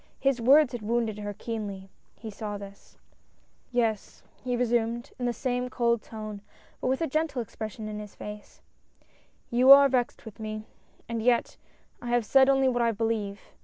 His words had wounded her keenly. He saw this. 64 DEPARTURE. " Yes," he resumed, in the same cold tone, but with a gentle expression in his face, " you are vexed with me, and yet, I have said only what I believe.